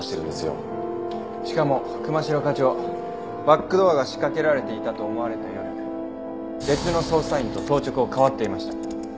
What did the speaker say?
しかも神代課長バックドアが仕掛けられていたと思われた夜別の捜査員と当直を変わっていました。